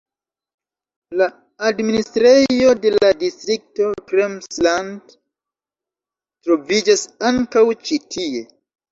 La administrejo de la distrikto Krems-Land troviĝas ankaŭ ĉi tie.